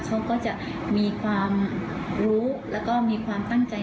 เขาก็จะมีความรู้แล้วก็มีความตั้งใจ